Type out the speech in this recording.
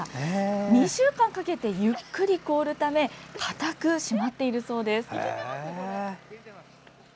２週間かけてゆっくり凍るため固く、締まっているそうです。